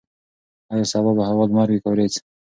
ایا سبا به هوا لمر وي که وریځ؟